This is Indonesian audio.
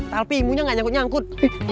talpimunya gak nyangkut nyangkut